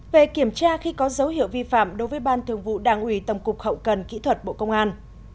một về kiểm tra khi có dấu hiệu vi phạm đối với ban thường vụ đảng ủy tổng cục hậu cần kỹ thuật bộ công an